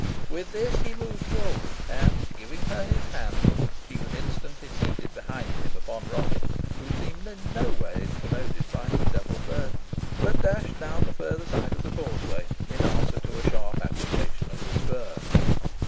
With this he moved forward, and giving her his hand, she was instantly seated behind him upon Robin, who seemed no way incommoded by his double burthen, but dashed down the further side of the causeway, in answer to a sharp application of the spur.